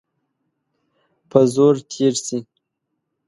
په زور تېر سي.